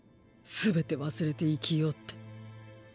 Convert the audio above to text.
すべて忘れて生きようって。